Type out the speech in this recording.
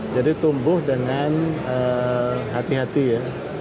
jadi tumbuh dengan hati hati ya